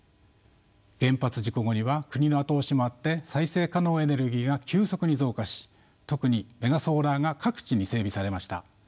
原発事故後には国の後押しもあって再生可能エネルギーが急速に増加し特にメガソーラーが各地に整備されました。